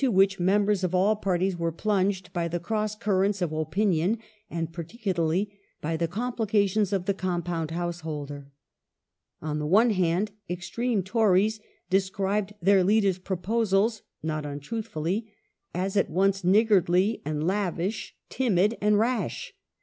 352 ''THE LEAP IN THE DARK" [1865 which members of all parties were plunged by the cross currents of opinion, and particularly by the complications of the "compound householder". On the one hand extreme Tories described their leader's proposals (not untruthfully) as at once niggardly and lavish, timid and rash.